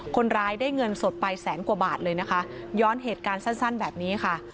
คนร้ายได้เงินสดไปแสนกว่าบาทเลยนะคะย้อนเหตุการณ์สั้นแบบนี้ค่ะ